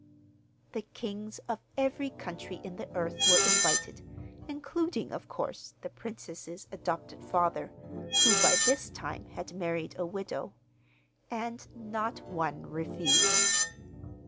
The kings of every country in the earth were invited, including, of course, the princess's adopted father (who by this time had married a widow), and not one refused.